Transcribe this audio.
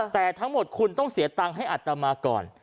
แต่ทั้งหมดคุณต้องเสียตังค์ให้อัตมาก่อน